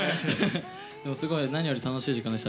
でもすごい何より楽しい時間でした。